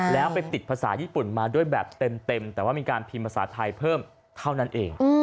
แล้วไปติดภาษาญี่ปุ่นมาด้วยแบบเต็มแต่ว่ามีการพิมพ์ภาษาไทยเพิ่มเท่านั้นเอง